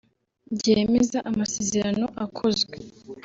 byemeza amasezerano akozwe